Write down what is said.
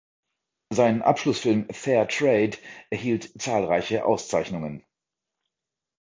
Sein Abschlussfilm "Fair Trade" erhielt zahlreiche Auszeichnungen.